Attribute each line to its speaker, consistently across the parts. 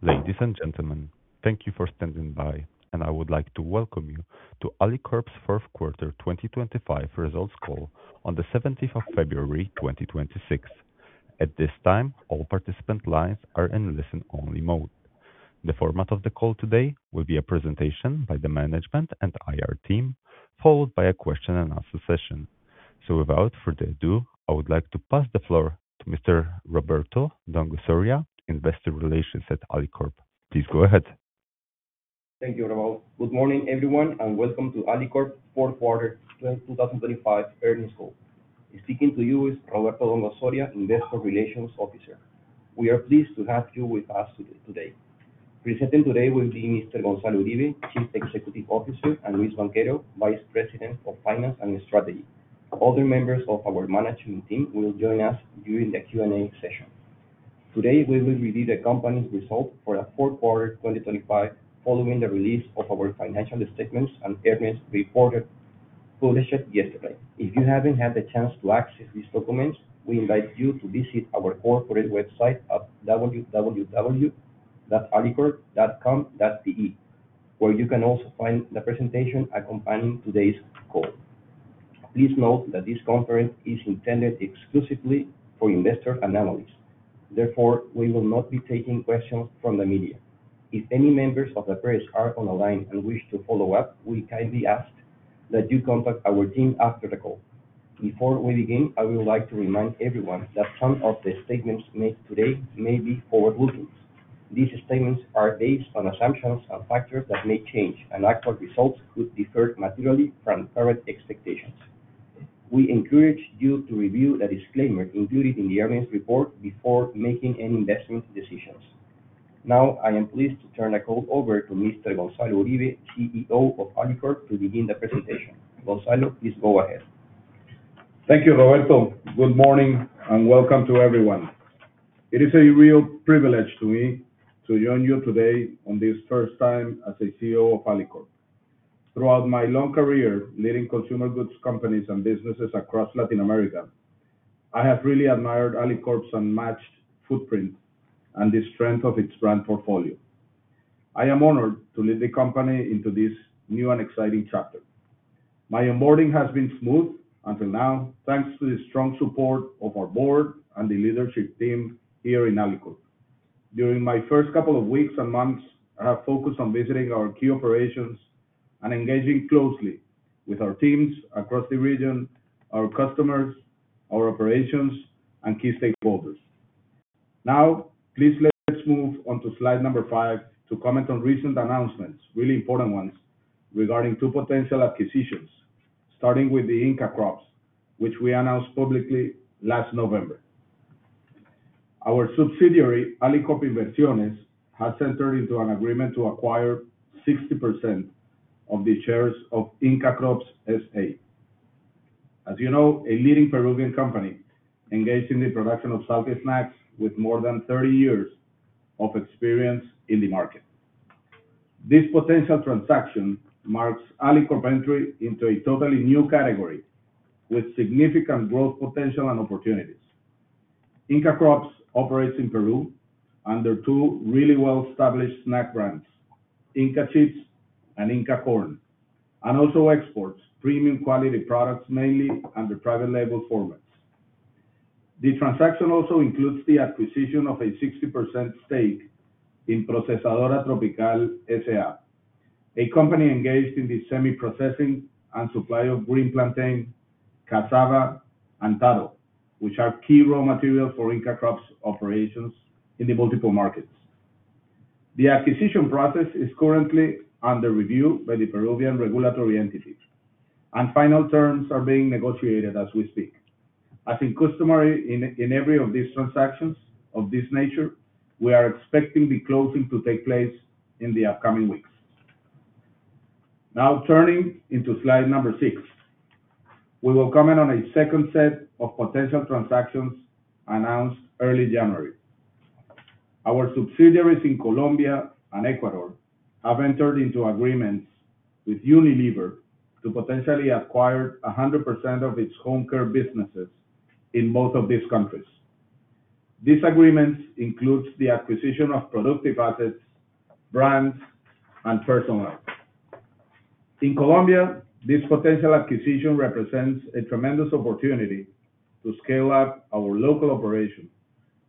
Speaker 1: Ladies and gentlemen, thank you for standing by, and I would like to welcome you to Alicorp's fourth quarter 2025 results call on the seventeenth of February, 2026. At this time, all participant lines are in listen-only mode. The format of the call today will be a presentation by the management and IR team, followed by a question and answer session. Without further ado, I would like to pass the floor to Mr. Roberto Dongo-Soria Pautrat, Investor Relations at Alicorp. Please go ahead.
Speaker 2: Thank you, Rafael. Good morning, everyone, and welcome to Alicorp's fourth quarter 2025 earnings call. Speaking to you is Roberto Dongo-Soria, Investor Relations Officer. We are pleased to have you with us today. Presenting today will be Mr. Gonzalo Uribe, Chief Executive Officer, and Luis Banchero, Vice President of Finance and Strategy. Other members of our management team will join us during the Q&A session. Today, we will review the company's results for the fourth quarter 2025, following the release of our financial statements and earnings report, published yesterday. If you haven't had the chance to access these documents, we invite you to visit our corporate website at www.alicorp.com.pe, where you can also find the presentation accompanying today's call. Please note that this conference is intended exclusively for investors and analysts, therefore, we will not be taking questions from the media. If any members of the press are on the line and wish to follow up, we kindly ask that you contact our team after the call. Before we begin, I would like to remind everyone that some of the statements made today may be forward-looking. These statements are based on assumptions and factors that may change, and actual results could differ materially from current expectations. We encourage you to review the disclaimer included in the earnings report before making any investment decisions. Now, I am pleased to turn the call over to Mr. Gonzalo Uribe, CEO of Alicorp, to begin the presentation. Gonzalo, please go ahead.
Speaker 3: Thank you, Roberto. Good morning, and welcome to everyone. It is a real privilege to me to join you today on this first time as the CEO of Alicorp. Throughout my long career, leading consumer goods companies and businesses across Latin America, I have really admired Alicorp's unmatched footprint and the strength of its brand portfolio. I am honored to lead the company into this new and exciting chapter. My onboarding has been smooth until now, thanks to the strong support of our board and the leadership team here in Alicorp. During my first couple of weeks and months, I have focused on visiting our key operations and engaging closely with our teams across the region, our customers, our operations, and key stakeholders. Now, please let's move on to slide number five to comment on recent announcements, really important ones, regarding two potential acquisitions. Starting with the Inka Crops, which we announced publicly last November. Our subsidiary, Alicorp Inversiones, has entered into an agreement to acquire 60% of the shares of Inka Crops S.A. As you know, a leading Peruvian company engaged in the production of salty snacks, with more than 30 years of experience in the market. This potential transaction marks Alicorp's entry into a totally new category, with significant growth, potential, and opportunities. Inka Crops operates in Peru under two really well-established snack brands, Inka Chips and Inka Corn, and also exports premium quality products, mainly under private label formats. The transaction also includes the acquisition of a 60% stake in Procesadora Tropical S.A., a company engaged in the semi-processing and supply of green plantain, cassava, and taro, which are key raw materials for Inka Crops' operations in the multiple markets. The acquisition process is currently under review by the Peruvian regulatory entities, and final terms are being negotiated as we speak. As is customary in every of these transactions of this nature, we are expecting the closing to take place in the upcoming weeks. Now, turning into slide number six, we will comment on a second set of potential transactions announced early January. Our subsidiaries in Colombia and Ecuador have entered into agreements with Unilever to potentially acquire 100% of its home care businesses in both of these countries. These agreements includes the acquisition of productive assets, brands, and personnel. In Colombia, this potential acquisition represents a tremendous opportunity to scale up our local operation,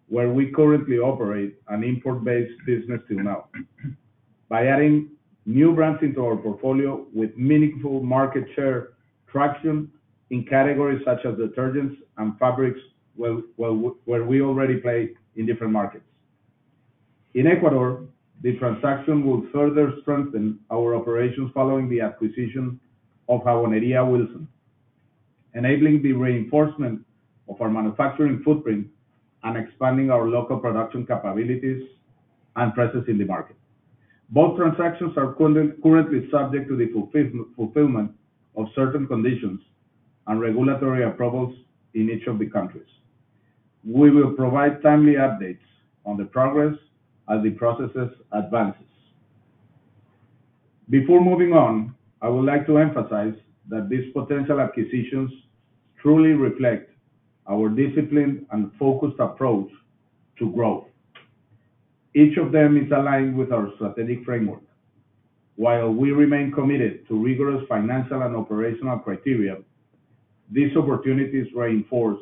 Speaker 3: where we currently operate an import-based business till now. By adding new brands into our portfolio with meaningful market share traction in categories such as detergents and fabrics, where we already play in different markets. In Ecuador, the transaction will further strengthen our operations, following the acquisition of Jabonería Wilson, enabling the reinforcement of our manufacturing footprint and expanding our local production capabilities and presence in the market. Both transactions are currently subject to the fulfillment of certain conditions and regulatory approvals in each of the countries. We will provide timely updates on the progress as the process advances. Before moving on, I would like to emphasize that these potential acquisitions truly reflect our disciplined and focused approach to growth. Each of them is aligned with our strategic framework. While we remain committed to rigorous financial and operational criteria, these opportunities reinforce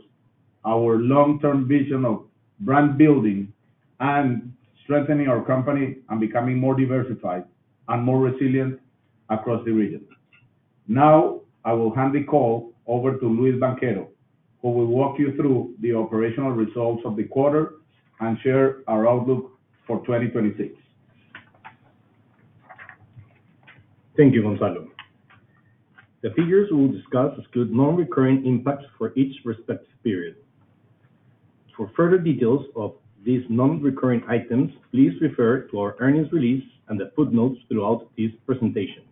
Speaker 3: our long-term vision of brand building and strengthening our company, and becoming more diversified and more resilient across the region. Now, I will hand the call over to Luis Banchero, who will walk you through the operational results of the quarter and share our outlook for 2026.
Speaker 4: Thank you, Gonzalo. The figures we will discuss include non-recurring impacts for each respective period. For further details of these non-recurring items, please refer to our earnings release and the footnotes throughout this presentation.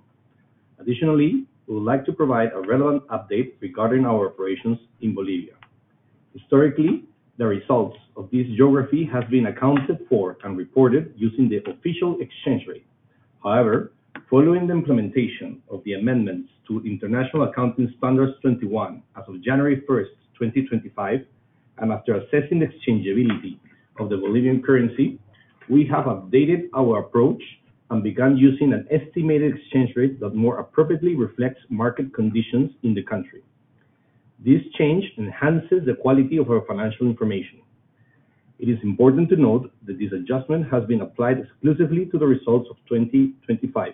Speaker 4: Additionally, we would like to provide a relevant update regarding our operations in Bolivia. Historically, the results of this geography have been accounted for and reported using the official exchange rate. However, following the implementation of the amendments to International Accounting Standard 21, as of January 1, 2025, and after assessing the exchangeability of the Bolivian currency, we have updated our approach and begun using an estimated exchange rate that more appropriately reflects market conditions in the country. This change enhances the quality of our financial information. It is important to note that this adjustment has been applied exclusively to the results of 2025,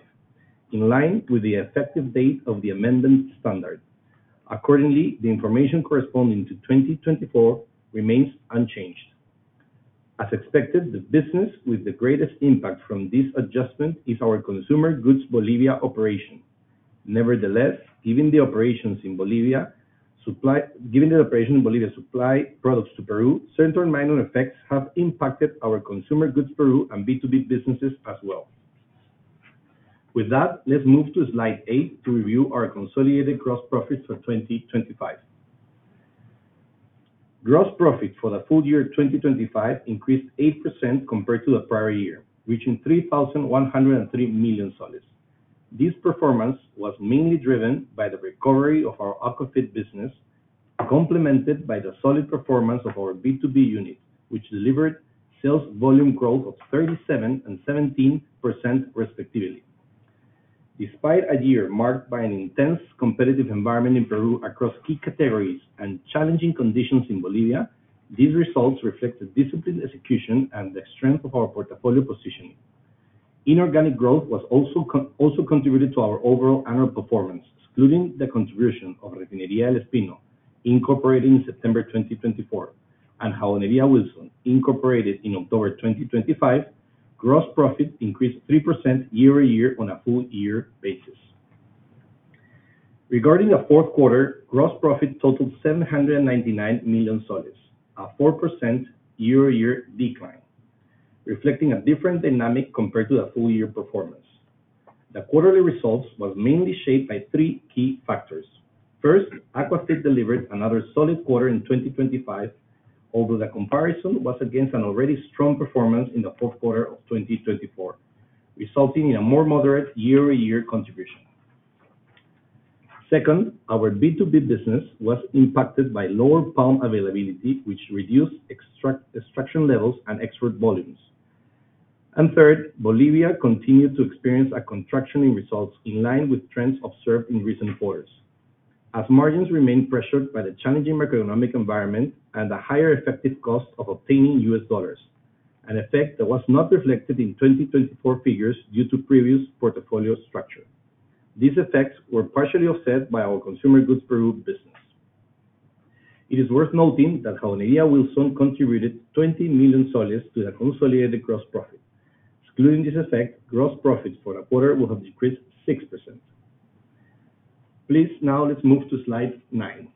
Speaker 4: in line with the effective date of the amendment standard. Accordingly, the information corresponding to 2024 remains unchanged. As expected, the business with the greatest impact from this adjustment is our consumer goods Bolivia operation. Nevertheless, given the operation in Bolivia supply products to Peru, certain minor effects have impacted our consumer goods Peru and B2B businesses as well. With that, let's move to slide eight to review our consolidated gross profits for 2025. Gross profit for the full year 2025 increased 8% compared to the prior year, reaching PEN 3,103 million. This performance was mainly driven by the recovery of our Aquafeed business, complemented by the solid performance of our B2B unit, which delivered sales volume growth of 37% and 17%, respectively. Despite a year marked by an intense competitive environment in Peru across key categories and challenging conditions in Bolivia, these results reflect the disciplined execution and the strength of our portfolio positioning. Inorganic growth was also contributed to our overall annual performance, excluding the contribution of Refinería del Espino, incorporated in September 2024, and Jabonería Wilson, incorporated in October 2025, gross profit increased 3% year-over-year on a full year basis. Regarding the fourth quarter, gross profit totaled PEN 799 million, a 4% year-over-year decline, reflecting a different dynamic compared to the full year performance. The quarterly results was mainly shaped by three key factors. First, Aquafeed delivered another solid quarter in 2025, although the comparison was against an already strong performance in the fourth quarter of 2024, resulting in a more moderate year-over-year contribution. Second, our B2B business was impacted by lower palm availability, which reduced extraction levels and export volumes. And third, Bolivia continued to experience a contraction in results in line with trends observed in recent quarters, as margins remained pressured by the challenging macroeconomic environment and the higher effective cost of obtaining US dollars, an effect that was not reflected in 2024 figures due to previous portfolio structure. These effects were partially offset by our consumer goods Peru business. It is worth noting that Jabonería Wilson contributed PEN 20 million to the consolidated gross profit. Excluding this effect, gross profits for the quarter would have decreased 6%. Please, now let's move to slide nine.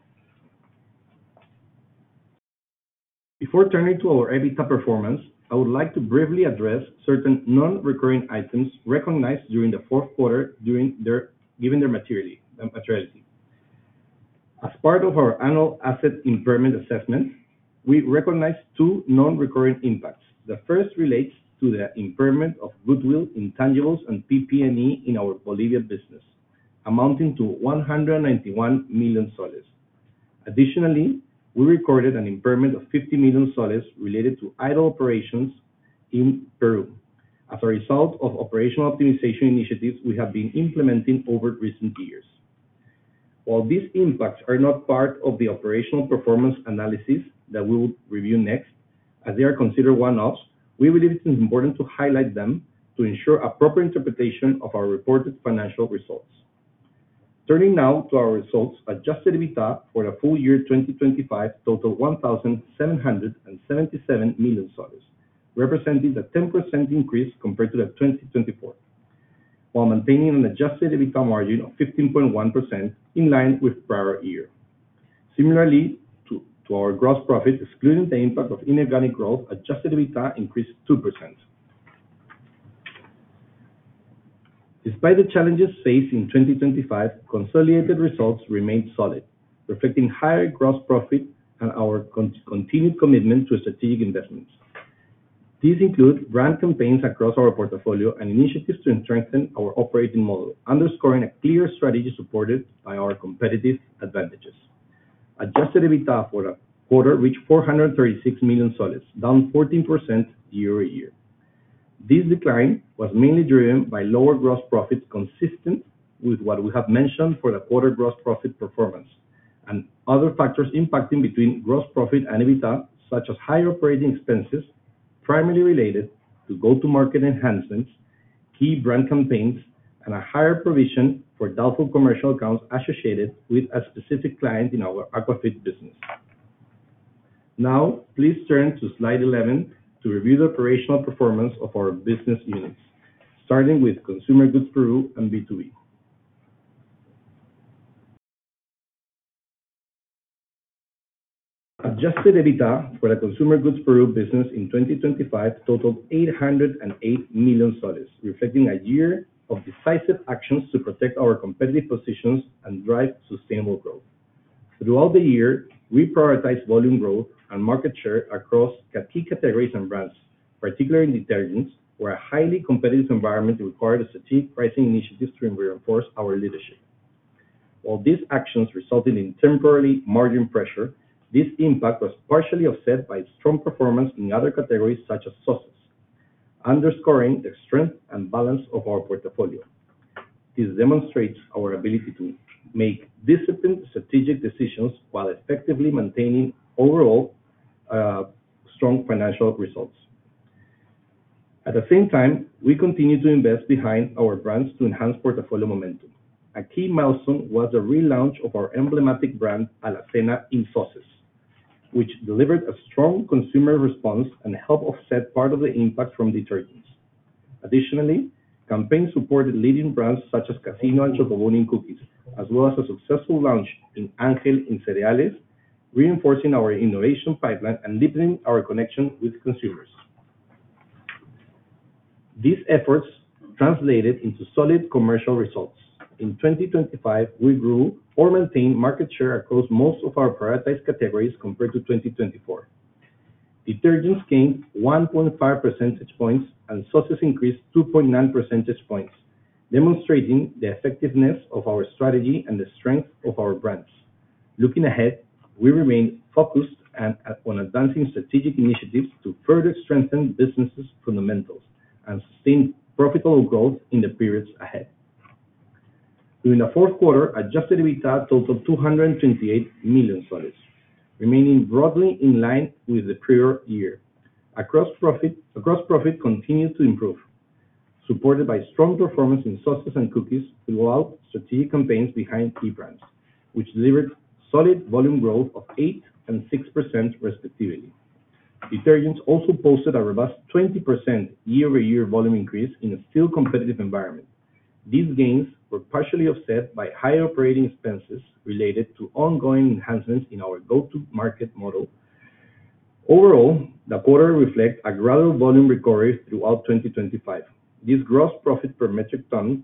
Speaker 4: Before turning to our EBITDA performance, I would like to briefly address certain non-recurring items recognized during the fourth quarter, given their materiality. As part of our annual asset impairment assessment, we recognized two non-recurring impacts. The first relates to the impairment of goodwill, intangibles, and PP&E in our Bolivia business, amounting to PEN 191 million. Additionally, we recorded an impairment of PEN 50 million related to idle operations in Peru as a result of operational optimization initiatives we have been implementing over recent years. While these impacts are not part of the operational performance analysis that we will review next, as they are considered one-offs, we believe it is important to highlight them to ensure appropriate interpretation of our reported financial results. Turning now to our results, adjusted EBITDA for the full year 2025 totaled PEN 1,777 million, representing a 10% increase compared to 2024, while maintaining an adjusted EBITDA margin of 15.1%, in line with prior year. Similarly to our gross profit, excluding the impact of inorganic growth, adjusted EBITDA increased 2%. Despite the challenges faced in 2025, consolidated results remained solid, reflecting higher gross profit and our continued commitment to strategic investments. These include brand campaigns across our portfolio and initiatives to strengthen our operating model, underscoring a clear strategy supported by our competitive advantages. Adjusted EBITDA for the quarter reached PEN 436 million, down 14% year-over-year. This decline was mainly driven by lower gross profits, consistent with what we have mentioned for the quarter gross profit performance, and other factors impacting between gross profit and EBITDA, such as higher operating expenses, primarily related to go-to-market enhancements, key brand campaigns, and a higher provision for doubtful commercial accounts associated with a specific client in our Aquafeed business. Now, please turn to Slide 11 to review the operational performance of our business units, starting with Consumer Goods Peru and B2B. Adjusted EBITDA for the Consumer Goods Peru business in 2025 totaled PEN 808 million, reflecting a year of decisive actions to protect our competitive positions and drive sustainable growth. Throughout the year, we prioritized volume growth and market share across key categories and brands, particularly in detergents, where a highly competitive environment required strategic pricing initiatives to reinforce our leadership. While these actions resulted in temporarily margin pressure, this impact was partially offset by strong performance in other categories, such as sauces, underscoring the strength and balance of our portfolio. This demonstrates our ability to make disciplined strategic decisions while effectively maintaining overall, strong financial results. At the same time, we continue to invest behind our brands to enhance portfolio momentum. A key milestone was the relaunch of our emblematic brand, AlaCena, in sauces, which delivered a strong consumer response and helped offset part of the impact from detergents. Additionally, campaigns supported leading brands such as Casino and Chocobum cookies, as well as a successful launch in Angel Cereals, reinforcing our innovation pipeline and deepening our connection with consumers. These efforts translated into solid commercial results. In 2025, we grew or maintained market share across most of our prioritized categories compared to 2024. Detergents gained 1.5 percentage points, and sauces increased 2.9 percentage points, demonstrating the effectiveness of our strategy and the strength of our brands. Looking ahead, we remain focused on advancing strategic initiatives to further strengthen the business's fundamentals and sustain profitable growth in the periods ahead. During the fourth quarter, adjusted EBITDA totaled PEN 228 million, remaining broadly in line with the prior year. Gross profit continued to improve, supported by strong performance in sauces and cookies throughout strategic campaigns behind key brands, which delivered solid volume growth of 8% and 6%, respectively. Detergents also posted a robust 20% year-over-year volume increase in a still competitive environment. These gains were partially offset by higher operating expenses related to ongoing enhancements in our go-to-market model. Overall, the quarter reflects a gradual volume recovery throughout 2025. This gross profit per metric ton,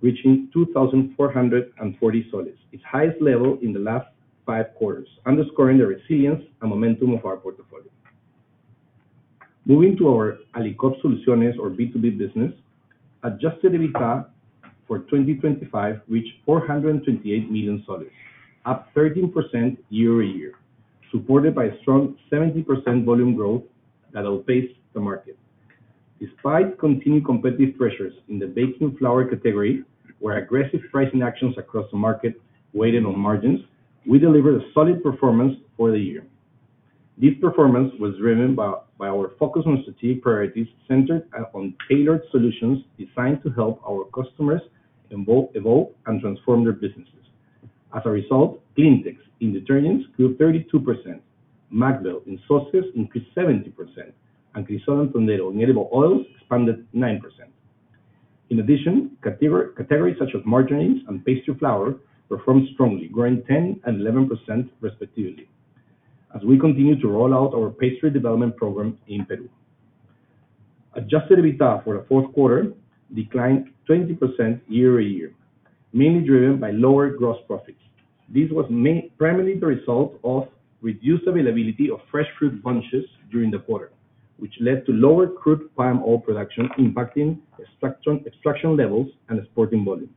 Speaker 4: reaching PEN 2,440, its highest level in the last five quarters, underscoring the resilience and momentum of our portfolio. Moving to our Alicorp Soluciones, or B2B business, adjusted EBITDA for 2025 reached PEN 428 million, up 13% year-over-year, supported by strong 70% volume growth that outpaced the market. Despite continued competitive pressures in the baking flour category, where aggressive pricing actions across the market weighed in on margins, we delivered a solid performance for the year. This performance was driven by our focus on strategic priorities, centered on tailored solutions designed to help our customers evolve and transform their businesses. As a result, CleanTex in detergents grew 32%, Macbel in sauces increased 70%, and Cocinero and Friol in edible oils expanded 9%. In addition, categories such as margarines and pastry flour performed strongly, growing 10% and 11%, respectively, as we continue to roll out our pastry development program in Peru. Adjusted EBITDA for the fourth quarter declined 20% year-over-year, mainly driven by lower gross profits. This was primarily the result of reduced availability of fresh fruit bunches during the quarter, which led to lower crude palm oil production, impacting extraction levels and exporting volume.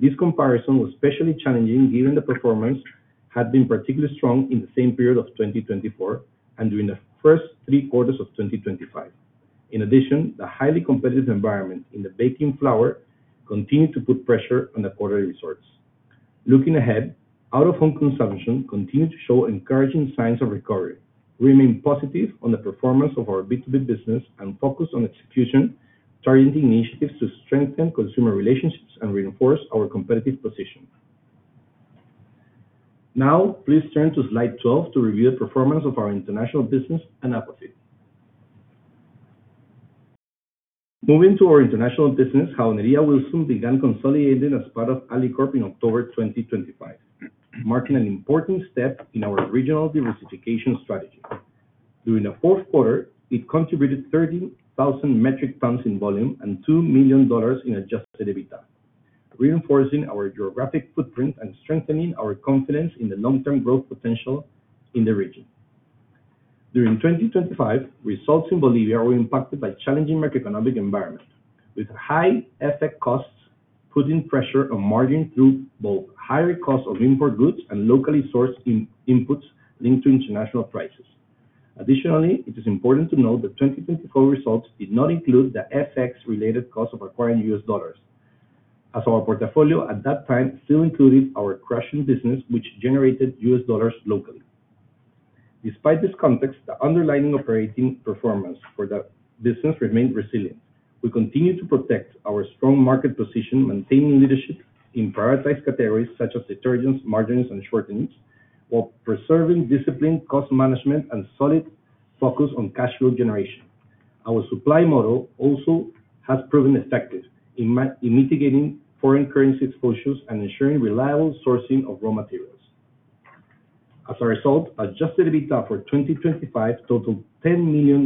Speaker 4: This comparison was especially challenging, given the performance had been particularly strong in the same period of 2024, and during the first three quarters of 2025. In addition, the highly competitive environment in the baking flour continued to put pressure on the quarter results. Looking ahead, out-of-home consumption continued to show encouraging signs of recovery, remain positive on the performance of our B2B business, and focus on execution, targeting initiatives to strengthen consumer relationships and reinforce our competitive position. Now, please turn to Slide 12 to review the performance of our international business and Aquafeed. Moving to our international business, Jabonería Wilson began consolidating as part of Alicorp in October 2025, marking an important step in our regional diversification strategy. During the fourth quarter, it contributed 30,000 metric tons in volume and $2 million in adjusted EBITDA, reinforcing our geographic footprint and strengthening our confidence in the long-term growth potential in the region. During 2025, results in Bolivia were impacted by challenging macroeconomic environment, with high FX costs putting pressure on margin through both higher costs of import goods and locally sourced inputs linked to international prices. Additionally, it is important to note that 2024 results did not include the FX-related costs of acquiring US dollars, as our portfolio at that time still included our crushing business, which generated US dollars locally. Despite this context, the underlying operating performance for the business remained resilient. We continue to protect our strong market position, maintaining leadership in prioritized categories such as detergents, margarines, and shortenings, while preserving disciplined cost management and solid focus on cash flow generation. Our supply model also has proven effective in mitigating foreign currency exposures and ensuring reliable sourcing of raw materials. As a result, adjusted EBITDA for 2025 totaled $10 million,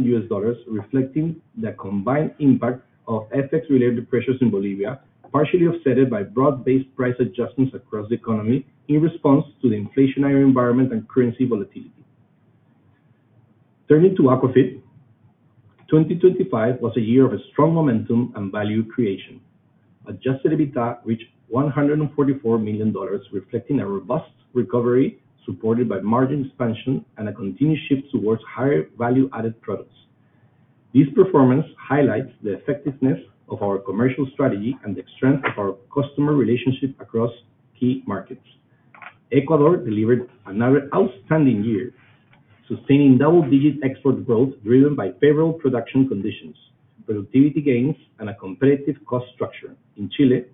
Speaker 4: reflecting the combined impact of FX-related pressures in Bolivia, partially offset by broad-based price adjustments across the economy in response to the inflationary environment and currency volatility. Turning to Vitapro, 2025 was a year of a strong momentum and value creation. Adjusted EBITDA reached $144 million, reflecting a robust recovery, supported by margin expansion and a continued shift towards higher value-added products. This performance highlights the effectiveness of our commercial strategy and the strength of our customer relationship across key markets. Ecuador delivered another outstanding year, sustaining double-digit export growth, driven by favorable production conditions, productivity gains, and a competitive cost structure. In Chile,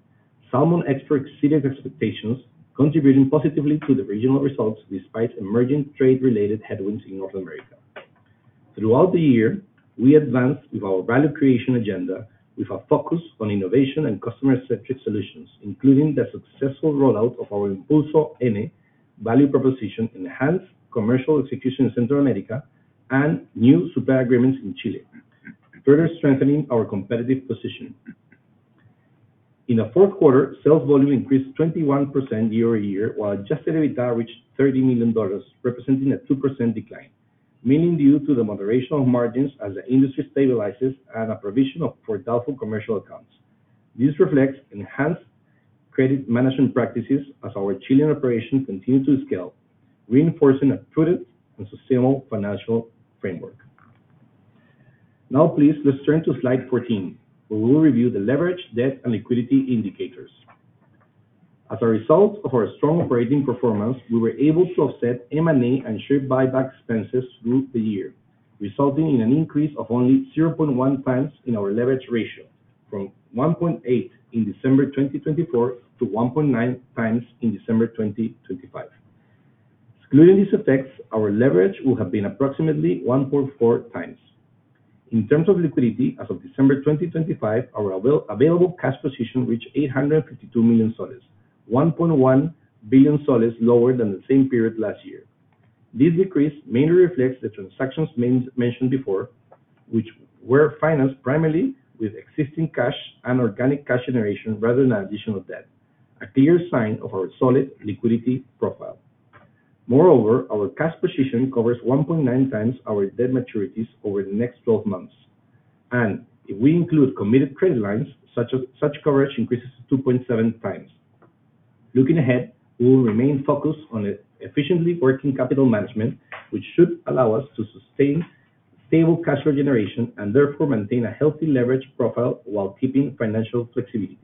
Speaker 4: salmon export exceeded expectations, contributing positively to the regional results, despite emerging trade-related headwinds in North America. Throughout the year, we advanced with our value creation agenda, with a focus on innovation and customer-centric solutions, including the successful rollout of our Impulso N value proposition, enhanced commercial execution in Central America, and new supply agreements in Chile, further strengthening our competitive position. In the fourth quarter, sales volume increased 21% year-over-year, while adjusted EBITDA reached $30 million, representing a 2% decline, mainly due to the moderation of margins as the industry stabilizes and a provision for doubtful commercial accounts. This reflects enhanced credit management practices as our Chilean operations continue to scale, reinforcing a prudent and sustainable financial framework. Now, please, let's turn to slide 14, where we will review the leverage, debt, and liquidity indicators. As a result of our strong operating performance, we were able to offset M&A and share buyback expenses through the year, resulting in an increase of only 0.1x in our leverage ratio, from 1.8x in December 2024 to 1.9x in December 2025. Excluding these effects, our leverage would have been approximately 1.4x. In terms of liquidity, as of December 2025, our available cash position reached PEN 852 million, PEN 1.1 billion lower than the same period last year. This decrease mainly reflects the transactions mentioned before, which were financed primarily with existing cash and organic cash generation, rather than additional debt, a clear sign of our solid liquidity profile. Moreover, our cash position covers 1.9 times our debt maturities over the next 12 months, and if we include committed credit lines, such coverage increases to 2.7x. Looking ahead, we will remain focused on efficiently working capital management, which should allow us to sustain stable cash flow generation, and therefore maintain a healthy leverage profile while keeping financial flexibility.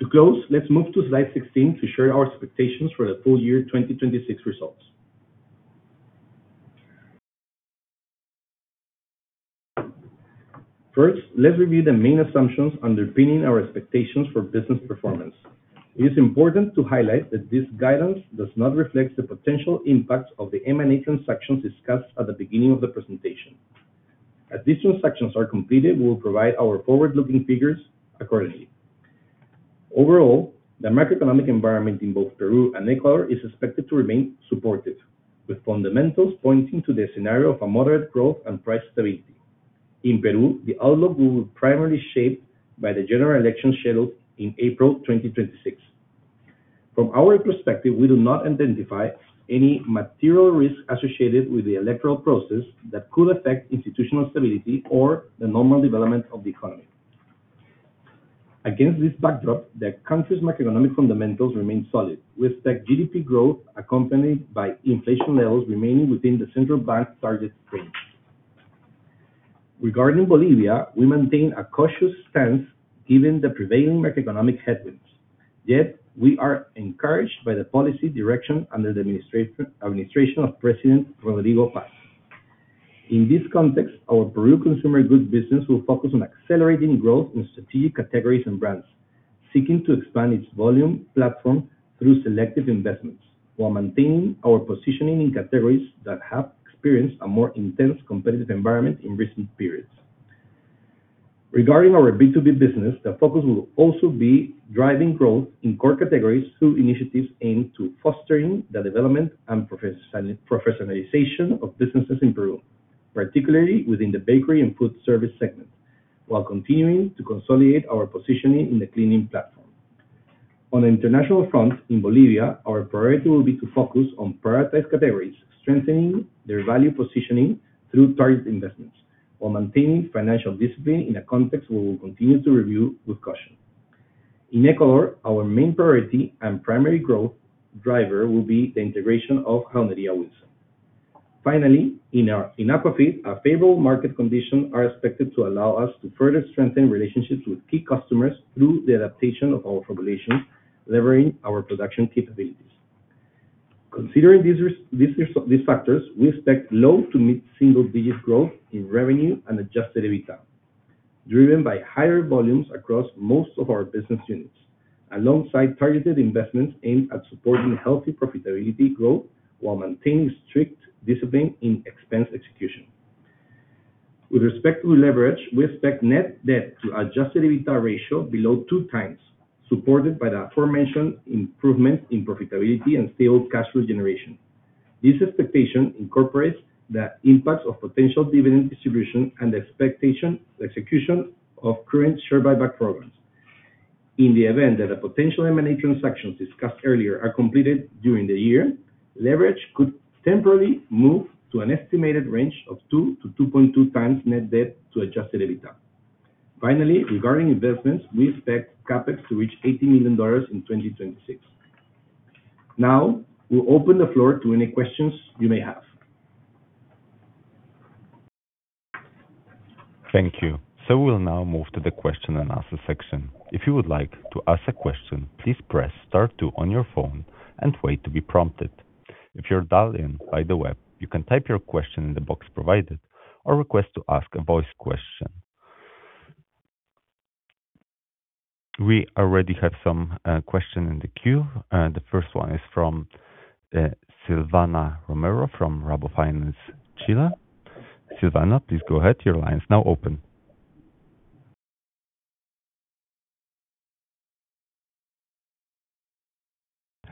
Speaker 4: To close, let's move to slide 16 to share our expectations for the full year 2026 results. First, let's review the main assumptions underpinning our expectations for business performance. It is important to highlight that this guidance does not reflect the potential impact of the M&A transactions discussed at the beginning of the presentation. As these transactions are completed, we will provide our forward-looking figures accordingly. Overall, the macroeconomic environment in both Peru and Ecuador is expected to remain supportive, with fundamentals pointing to the scenario of a moderate growth and price stability. In Peru, the outlook will be primarily shaped by the general election scheduled in April 2026. From our perspective, we do not identify any material risk associated with the electoral process that could affect institutional stability or the normal development of the economy. Against this backdrop, the country's macroeconomic fundamentals remain solid, with the GDP growth accompanied by inflation levels remaining within the central bank's target range. Regarding Bolivia, we maintain a cautious stance given the prevailing macroeconomic headwinds. Yet, we are encouraged by the policy direction under the administration of President Rodrigo Paz. In this context, our Peru consumer goods business will focus on accelerating growth in strategic categories and brands, seeking to expand its volume platform through selective investments, while maintaining our positioning in categories that have experienced a more intense competitive environment in recent periods. Regarding our B2B business, the focus will also be driving growth in core categories through initiatives aimed to fostering the development and professionalization of businesses in Peru.... particularly within the bakery and food service segment, while continuing to consolidate our positioning in the cleaning platform. On the international front, in Bolivia, our priority will be to focus on prioritized categories, strengthening their value positioning through targeted investments, while maintaining financial discipline in a context we will continue to review with caution. In Ecuador, our main priority and primary growth driver will be the integration of Jabonería Wilson. Finally, in our aquafeed, our favorable market conditions are expected to allow us to further strengthen relationships with key customers through the adaptation of our formulations, leveraging our production capabilities. Considering these factors, we expect low to mid-single-digit growth in revenue and adjusted EBITDA, driven by higher volumes across most of our business units, alongside targeted investments aimed at supporting healthy profitability growth while maintaining strict discipline in expense execution. With respect to leverage, we expect net debt to adjusted EBITDA ratio below 2x, supported by the aforementioned improvement in profitability and stable cash flow generation. This expectation incorporates the impacts of potential dividend distribution and the expected execution of current share buyback programs. In the event that a potential M&A transactions discussed earlier are completed during the year, leverage could temporarily move to an estimated range of 2-2.2x net debt to adjusted EBITDA. Finally, regarding investments, we expect CapEx to reach $80 million in 2026. Now, we'll open the floor to any questions you may have.
Speaker 1: Thank you. So we'll now move to the question and answer section. If you would like to ask a question, please press star two on your phone and wait to be prompted. If you're dialed in by the web, you can type your question in the box provided or request to ask a voice question. We already have some question in the queue. The first one is from Silvana Romero, from RaboFinance, Chile. Silvana, please go ahead. Your line is now open.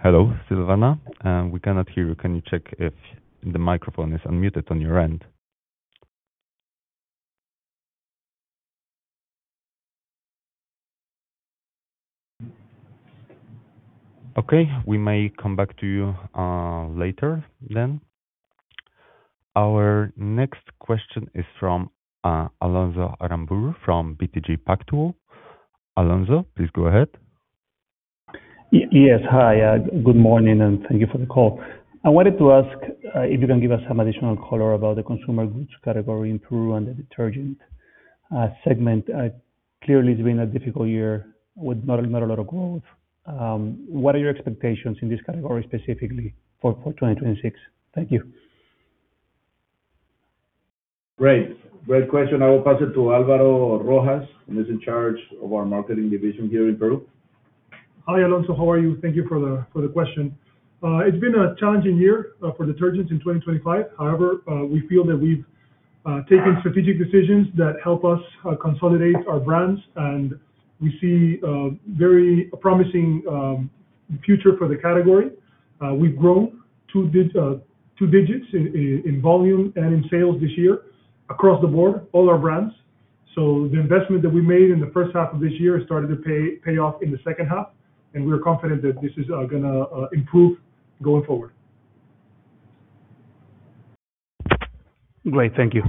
Speaker 1: Hello, Silvana, we cannot hear you. Can you check if the microphone is unmuted on your end? Okay, we may come back to you later then. Our next question is from Alonso Aramburú, from BTG Pactual. Alonso, please go ahead.
Speaker 5: Yes. Hi, good morning, and thank you for the call. I wanted to ask if you can give us some additional color about the consumer goods category in Peru and the detergent segment. Clearly, it's been a difficult year with not a lot of growth. What are your expectations in this category, specifically for 2026? Thank you.
Speaker 3: Great. Great question. I will pass it to Alvaro Rojas, who is in charge of our marketing division here in Peru.
Speaker 6: Hi, Alonso. How are you? Thank you for the question. It's been a challenging year for detergents in 2025. However, we feel that we've taken strategic decisions that help us consolidate our brands, and we see a very promising future for the category. We've grown two digits in volume and in sales this year across the board, all our brands. So the investment that we made in the first half of this year started to pay off in the second half, and we're confident that this is gonna improve going forward.
Speaker 5: Great. Thank you.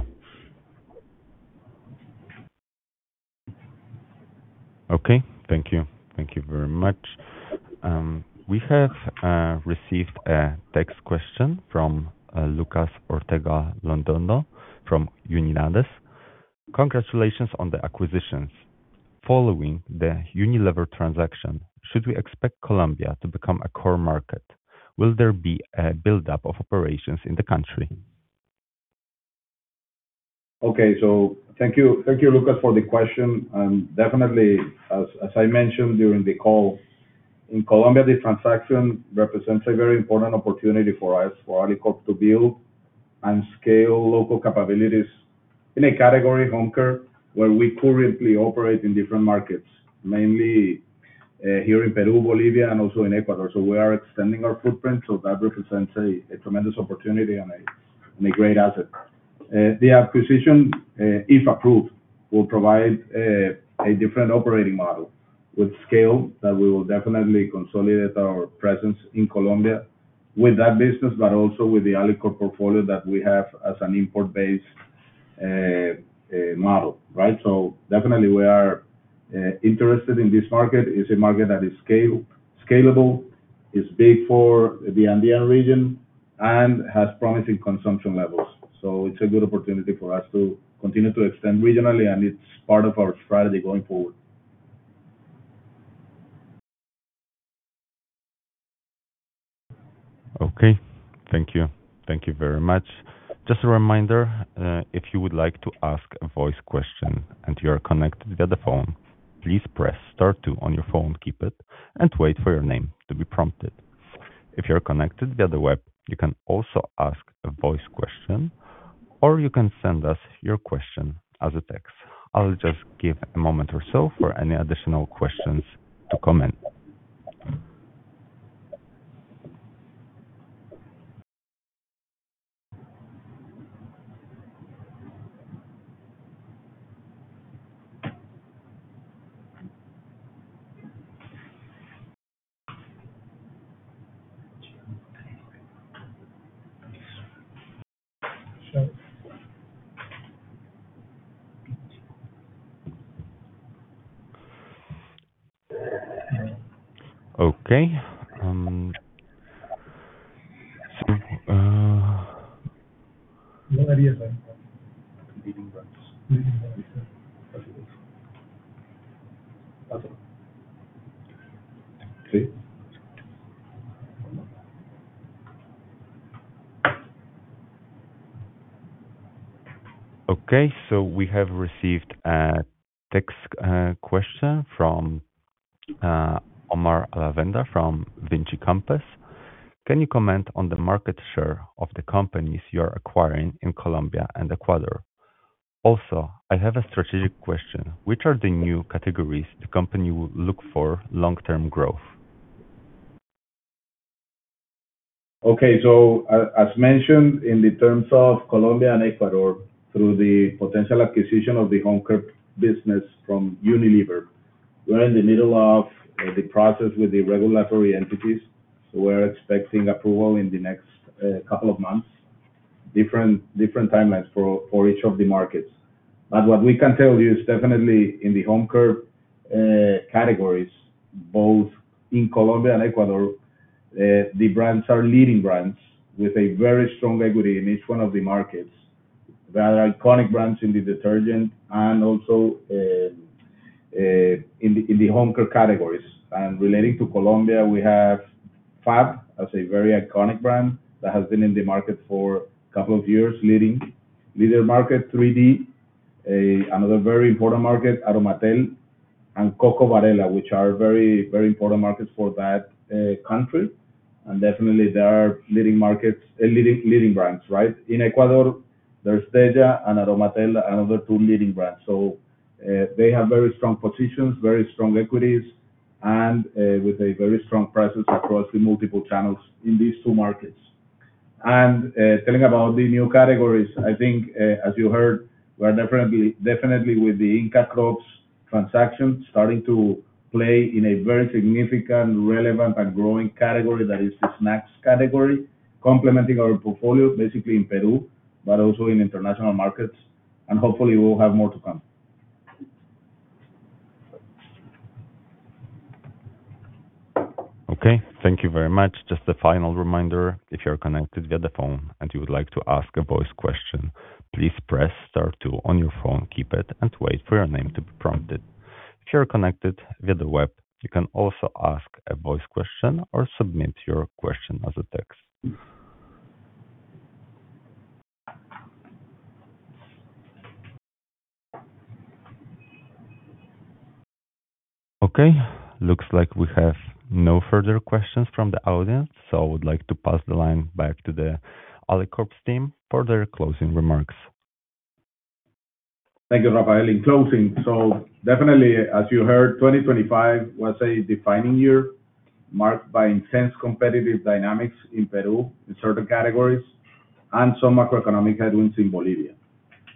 Speaker 1: Okay. Thank you. Thank you very much. We have received a text question from Lucas Ortega Londoño from Unilades. "Congratulations on the acquisitions. Following the Unilever transaction, should we expect Colombia to become a core market? Will there be a buildup of operations in the country?
Speaker 3: Okay. So thank you. Thank you, Lucas, for the question, and definitely, as I mentioned during the call, in Colombia, the transaction represents a very important opportunity for us, for Alicorp, to build and scale local capabilities in a category, home care, where we currently operate in different markets, mainly here in Peru, Bolivia, and also in Ecuador. So we are extending our footprint, so that represents a tremendous opportunity and a great asset. The acquisition, if approved, will provide a different operating model with scale, that we will definitely consolidate our presence in Colombia with that business, but also with the Alicorp portfolio that we have as an import-based model, right? So definitely we are interested in this market. It's a market that is scalable, it's big for the Andean region, and has promising consumption levels. It's a good opportunity for us to continue to extend regionally, and it's part of our strategy going forward.
Speaker 1: Okay. Thank you. Thank you very much. Just a reminder, if you would like to ask a voice question and you are connected via the phone, please press star two on your phone, keep it, and wait for your name to be prompted. If you're connected via the web, you can also ask a voice question, or you can send us your question as a text. I'll just give a moment or so for any additional questions to come in. Okay, so. Okay, so we have received a text question from Omar Alavenda from Vinci Compass. Can you comment on the market share of the companies you are acquiring in Colombia and Ecuador? Also, I have a strategic question: Which are the new categories the company will look for long-term growth?
Speaker 3: Okay, so as mentioned in the terms of Colombia and Ecuador, through the potential acquisition of the home care business from Unilever, we're in the middle of the process with the regulatory entities. We're expecting approval in the next couple of months. Different timelines for each of the markets. But what we can tell you is definitely in the home care categories, both in Colombia and Ecuador, the brands are leading brands with a very strong equity in each one of the markets. They are iconic brands in the detergent and also in the home care categories. And relating to Colombia, we have Fab as a very iconic brand that has been in the market for a couple of years, leading leader market 3D, another very important market, Aromatel, and Coco Varela, which are very, very important markets for that country. And definitely, they are leading markets. Leading, leading brands, right? In Ecuador, there's Deja and Aromatel, another two leading brands. So, they have very strong positions, very strong equities, and with a very strong presence across the multiple channels in these two markets. And telling about the new categories, I think, as you heard, we're definitely, definitely with the Inka Crops transaction, starting to play in a very significant, relevant, and growing category that is the snacks category, complementing our portfolio, basically in Peru, but also in international markets, and hopefully, we'll have more to come.
Speaker 1: Okay, thank you very much. Just a final reminder, if you're connected via the phone and you would like to ask a voice question, please press star two on your phone, keep it, and wait for your name to be prompted. If you are connected via the web, you can also ask a voice question or submit your question as a text. Okay, looks like we have no further questions from the audience, so I would like to pass the line back to the Alicorp team for their closing remarks.
Speaker 3: Thank you, Rafael. In closing, definitely, as you heard, 2025 was a defining year, marked by intense competitive dynamics in Peru, in certain categories, and some macroeconomic headwinds in Bolivia.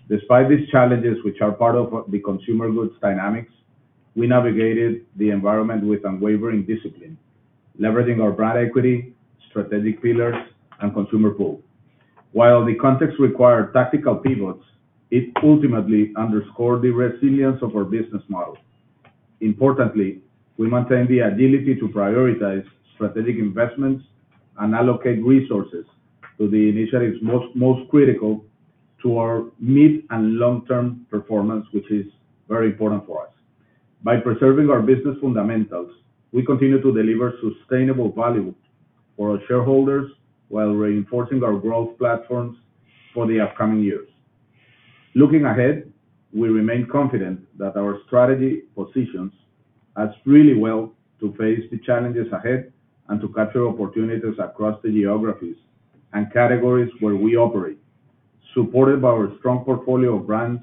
Speaker 3: Despite these challenges, which are part of the consumer goods dynamics, we navigated the environment with unwavering discipline, leveraging our brand equity, strategic pillars, and consumer pool. While the context required tactical pivots, it ultimately underscored the resilience of our business model. Importantly, we maintain the agility to prioritize strategic investments and allocate resources to the initiatives most, most critical to our mid and long-term performance, which is very important for us. By preserving our business fundamentals, we continue to deliver sustainable value for our shareholders while reinforcing our growth platforms for the upcoming years. Looking ahead, we remain confident that our strategy positions us really well to face the challenges ahead and to capture opportunities across the geographies and categories where we operate, supported by our strong portfolio of brands,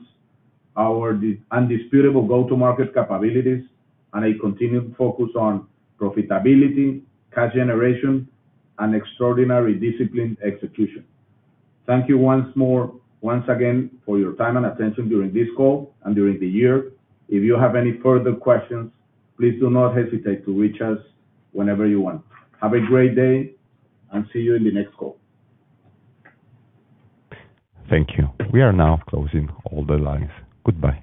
Speaker 3: our undisputable go-to-market capabilities, and a continued focus on profitability, cash generation, and extraordinary disciplined execution. Thank you once more, once again, for your time and attention during this call and during the year. If you have any further questions, please do not hesitate to reach us whenever you want. Have a great day, and see you in the next call.
Speaker 1: Thank you. We are now closing all the lines. Goodbye.